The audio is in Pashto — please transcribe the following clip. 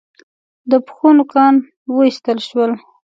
د پښو نوکان و ایستل شول.